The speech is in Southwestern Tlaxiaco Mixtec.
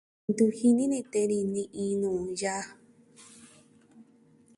Ntu jini ni tee ni ni iin nuu yaa.